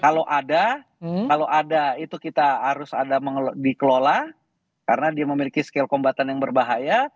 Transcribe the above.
kalau ada kalau ada itu kita harus ada dikelola karena dia memiliki skill kombatan yang berbahaya